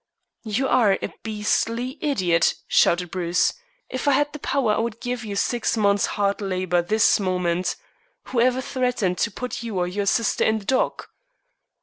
"You are a beastly idiot," shouted Bruce. "If I had the power I would give you six months' hard labor this moment. Who ever threatened to put you or your sister in the dock?"